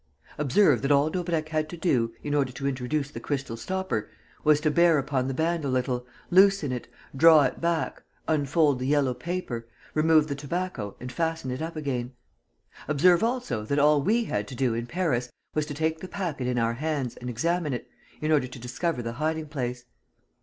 Observe that all Daubrecq had to do, in order to introduce the crystal stopper, was to bear upon the band a little, loosen it, draw it back, unfold the yellow paper, remove the tobacco and fasten it up again. Observe also that all we had to do, in Paris, was to take the packet in our hands and examine it, in order to discover the hiding place.